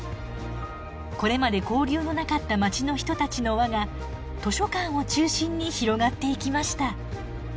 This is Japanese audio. これまで交流のなかった街の人たちの輪が図書館を中心に広がっていきました。